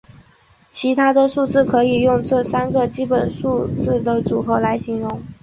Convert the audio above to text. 其他的数字可以用这三个基本数字的组合来形容。